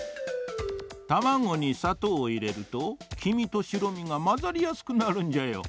たまごにさとうをいれるときみとしろみがまざりやすくなるんじゃよ。